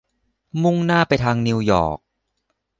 มุ่งหน้าไปทางนิวยอร์ก